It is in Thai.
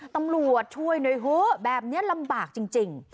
ตำรวจช่วยหน่อยเถอะแบบนี้ลำบากจริง